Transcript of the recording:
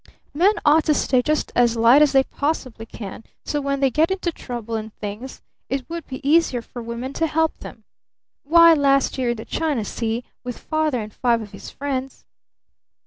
"Men ought to stay just as light as they possibly can, so when they get into trouble and things it would be easier for women to help them. Why, last year in the China Sea with Father and five of his friends